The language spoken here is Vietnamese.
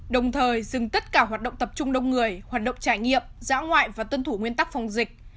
đồng thời dừng tất cả hoạt động tập trung đông người hoạt động trải nghiệm dã ngoại và tuân thủ nguyên tắc phòng dịch